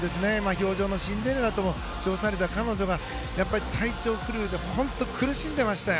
氷上のシンデレラとも称された彼女が体調不良で本当に苦しんでいましたよ。